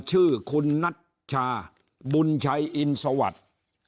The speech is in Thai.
ชื่อคุณนัชชาบุญชัยอินสวัสดิ์